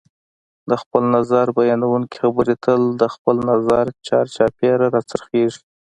د خپل نظر بیانونکي خبرې تل د خپل نظر چار چاپېره راڅرخیږي